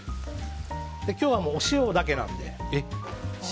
今日はお塩だけなので。